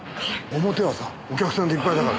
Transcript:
表はさお客さんでいっぱいだから。